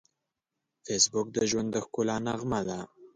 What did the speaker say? فېسبوک د ژوند د ښکلا نغمه ده